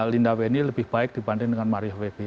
linda weni lebih baik dibanding dengan maria febe